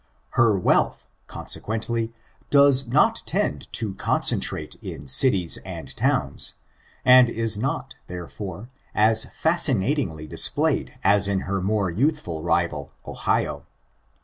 Her wealth, consequently, does not tend te concentrate in cities and tewns, and is not. : I I I 482 8T&ICTUBES therefore, as fascinatingly Splayed as in her more youthful rival, Ohio.